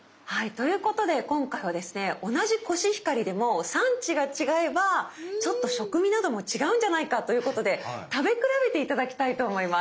ということで今回はですね同じコシヒカリでも産地が違えばちょっと食味なども違うんじゃないかということで食べ比べて頂きたいと思います。